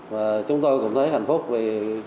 và chúng tôi cũng thấy hạnh phúc vì